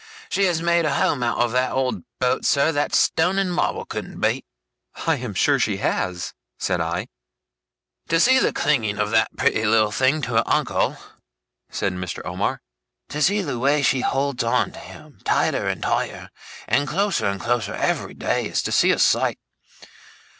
She has made a home out of that old boat, sir, that stone and marble couldn't beat.' 'I am sure she has!' said I. 'To see the clinging of that pretty little thing to her uncle,' said Mr. Omer; 'to see the way she holds on to him, tighter and tighter, and closer and closer, every day, is to see a sight.